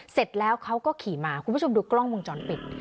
เสร็จแล้วเขาก็ขี่มาคุณผู้ชมดูกล้องวงจรปิด